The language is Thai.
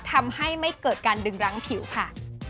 ทำให้ไม่เกิดการดึงรั้งผิวค่ะ